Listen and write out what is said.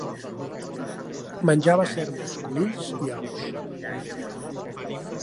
Menjava cérvols, conills i aus.